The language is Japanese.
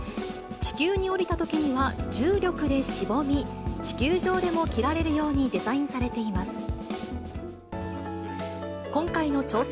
地球に降りたときには、重力でしぼみ、地球上でも着られるようにデザインされています。